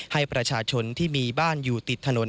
ให้ประชาชนที่มีบ้านอยู่ติดถนน